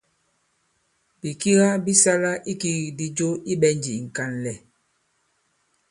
Bìkiga bi sala ikigikdi jo i ɓɛ̀njì ì ŋ̀kànlɛ̀.